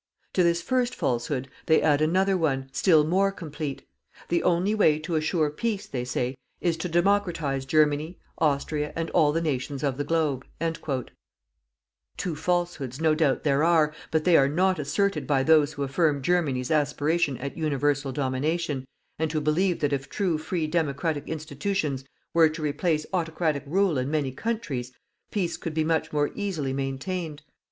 To this first falsehood, they add another one, still more complete: the only way to assure peace, they say, is to democratize Germany, Austria and all the nations of the Globe._" Two falsehoods no doubt there are, but they are not asserted by those who affirm Germany's aspiration at universal domination, and who believe that if true free democratic institutions were to replace autocratic rule in many countries, peace could be much more easily maintained.